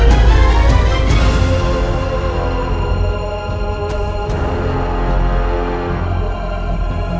aku mohon doa dan restu